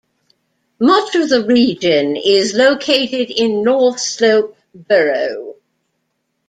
Much of the region is located in North Slope Borough.